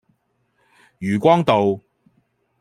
漁光道